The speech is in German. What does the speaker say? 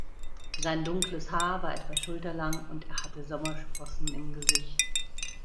Sein dunkles Haar war etwa schulterlang und er hatte Sommersprossen im Gesicht.